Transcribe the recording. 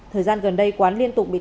thời gian gần đây quán liên tục bị tẩy